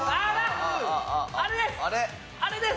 あれです！